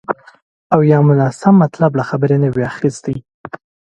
او یا مو ناسم مطلب له خبرې نه وي اخیستی